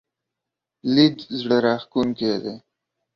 لید زړه راښکونکی دی.